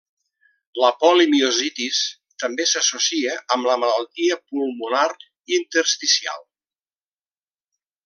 La polimiositis també s'associa amb la malaltia pulmonar intersticial.